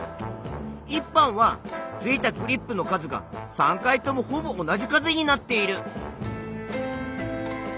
１班は付いたクリップの数が３回ともほぼ同じ数になっている。